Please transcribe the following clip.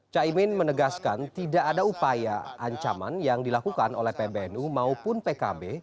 caimin menegaskan tidak ada upaya ancaman yang dilakukan oleh pbnu maupun pkb